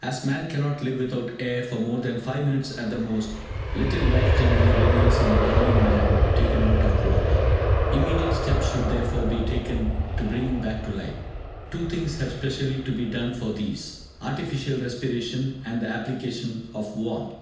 As man cannot live without air for more than 5 minutes at the most, little life generally remains in a drowning man taken out of water. Immediate steps should, therefore, be taken to bring him back to life. Two things have specially to be done for these, artificial respiration, and the application of warmth.